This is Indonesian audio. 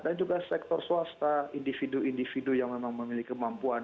dan juga sektor swasta individu individu yang memang memiliki kemampuan